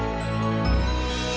tidur aku lagi